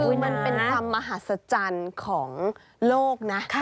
คือมันเป็นความมหัศจรรย์ของโลกนะ